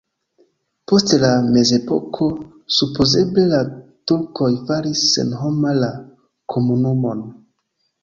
Post la mezepoko supozeble la turkoj faris senhoma la komunumon.